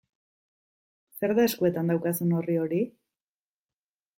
Zer da eskuetan daukazun orri hori?